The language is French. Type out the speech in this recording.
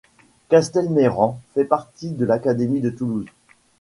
Castelmayran fait partie de l'académie de Toulouse.